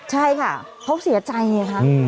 ใช่ค่ะเขาเสียใจเนี่ยค่ะ